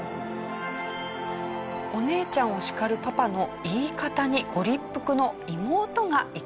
お姉ちゃんを叱るパパの言い方にご立腹の妹が怒りの説教です。